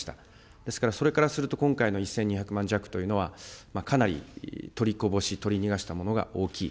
ですから、それからすると今回の１２００万弱というのは、かなり取りこぼし、取り逃がしが大きい。